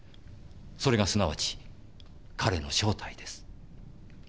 それがすなわち彼の正体です。